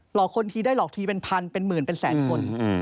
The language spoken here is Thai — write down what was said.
อกคนทีได้หลอกทีเป็นพันเป็นหมื่นเป็นแสนคน